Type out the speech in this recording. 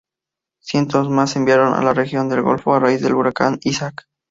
Cientos más se enviaron a la región del Golfo a raíz del huracán Isaac.